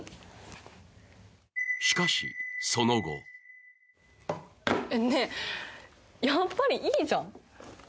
しかし、その後ねえ、やっぱりいいじゃん。